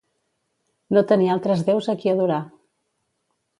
No tenir altres déus a qui adorar.